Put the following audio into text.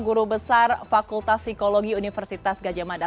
guru besar fakultas psikologi universitas gajah mada